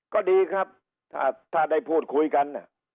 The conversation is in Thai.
ก็ดีครับถ้าได้พูดคุยกัน